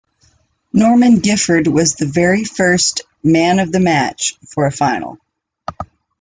Norman Gifford was the very first "Man of the Match" for a final.